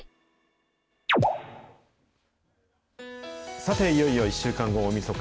さて、いよいよ１週間後、大みそか。